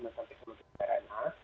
yang menggunakan vaksin mrna